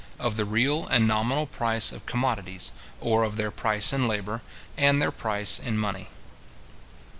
OF THE REAL AND NOMINAL PRICE OF COMMODITIES, OR OF THEIR PRICE IN LABOUR, AND THEIR PRICE IN MONEY.